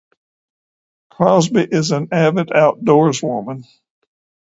Crosby is an avid outdoorswoman.